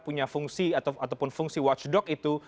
punya fungsi ataupun fungsi watchdog itu